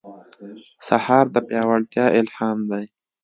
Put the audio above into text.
سهار د پیاوړتیا الهام دی.